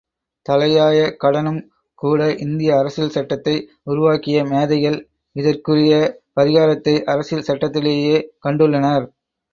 தலையாய கடனும் கூட இந்திய அரசியல் சட்டத்தை உருவாக்கிய மேதைகள் இதற்குரிய பரிகாரத்தை அரசியல் சட்டத்திலேயே கண்டுள்ளனர்.